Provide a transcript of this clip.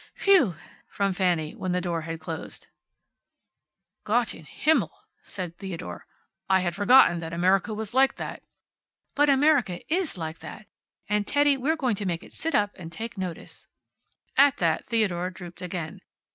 "Whew!" from Fanny, when the door had closed. "Gott im Himmel!" from Theodore. "I had forgotten that America was like that." "But America IS like that. And Teddy, we're going to make it sit up and take notice." At that Theodore drooped again.